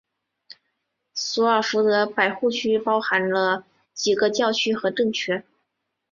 索尔福德百户区包含了几个教区和镇区。